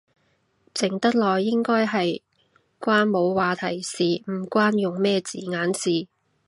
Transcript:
靜得耐應該係關冇話題事，唔關用咩字眼事